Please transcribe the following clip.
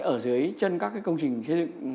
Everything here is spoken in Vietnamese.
ở dưới chân các công trình